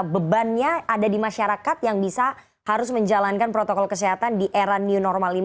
bebannya ada di masyarakat yang bisa harus menjalankan protokol kesehatan di era new normal ini